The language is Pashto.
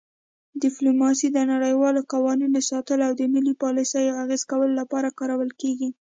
ډیپلوماسي د نړیوالو قوانینو ساتلو او ملي پالیسیو اغیزه کولو لپاره کارول کیږي